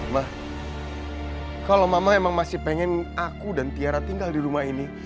mah kalau mama emang masih pengen aku dan tiara tinggal di rumah ini